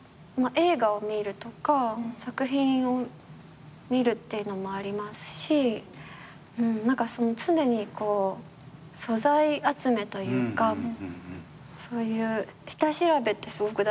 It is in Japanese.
映画を見るとか作品を見るっていうのもあるし何かその常にこう素材集めというかそういう下調べってすごく大事だなって思ってるので。